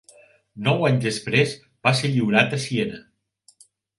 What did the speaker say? Nou anys després va ser lliurat a Siena.